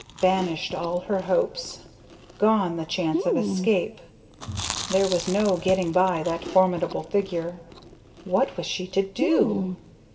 Vanished all her hopes. Gone the chance of escape. There was no getting by that formidable figure. What was she to do?